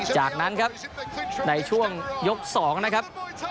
จากนั้นครับในช่วงยก๒นะครับ